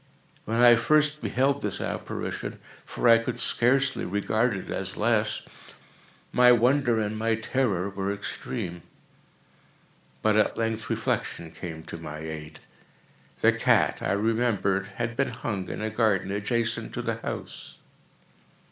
When I first beheld this apparition—for I could scarcely regard it as less—my wonder and my terror were extreme. But at length reflection came to my aid. The cat, I remembered, had been hung in a garden adjacent to the house.